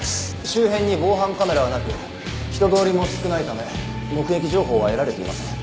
周辺に防犯カメラはなく人通りも少ないため目撃情報は得られていません。